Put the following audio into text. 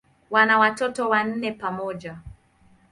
Wana watoto wanne pamoja.